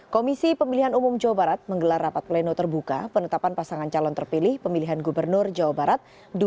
komisi pemilihan umum jawa barat menggelar rapat pleno terbuka penetapan pasangan calon terpilih pemilihan gubernur jawa barat dua ribu sembilan belas